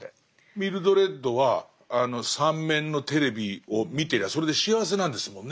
ミルドレッドはあの三面のテレビを見てりゃそれで幸せなんですもんね。